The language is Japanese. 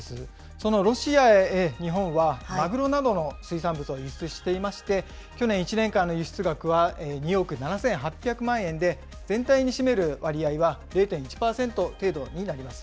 そのロシアへ日本はマグロなどの水産物を輸出していまして、去年１年間の輸出額は２億７８００万円で、全体に占める割合は０．１％程度になります。